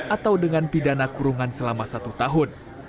atau dengan pidana kurungan selama satu tahun